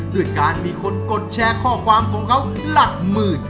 ด้วยการมีคนกดแชร์ข้อความของเขาด้วยต่อมา